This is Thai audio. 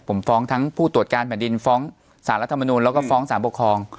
ผมฟ้องทั้งผู้ตรวจการแผ่นดินฟ้องสารรัฐมนุนแล้วก็ฟ้องสารปกครอง